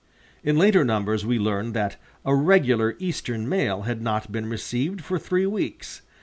In later numbers we learn that a regular Eastern mail had not been received for three weeks.